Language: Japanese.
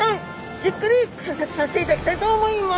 じっくり観察させていただきたいと思います。